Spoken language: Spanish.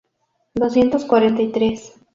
Doscientos cuarenta y tres